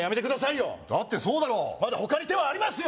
よだってそうだろまだ他に手はありますよ